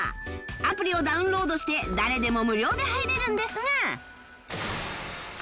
アプリをダウンロードして誰でも無料で入れるんですが